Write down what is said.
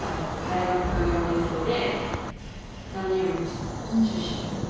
大学４年生で浪江町出身。